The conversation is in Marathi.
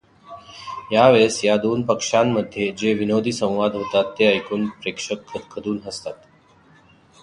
या वेळेस या दोन पक्षांमध्ये जे विनोदी संवाद होतात ते ऐकून प्रेक्षक खदखदून हसतात.